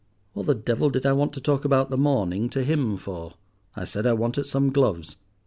What the devil did I want to talk about the morning to him for? I said I wanted some gloves.